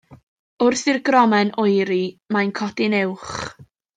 Wrth i'r gromen oeri, mae'n codi'n uwch.